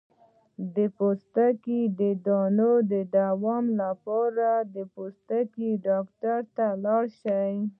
د پوستکي د دانو د دوام لپاره د پوستکي ډاکټر ته لاړ شئ